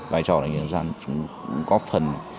vai trò là chúng ta cũng có phần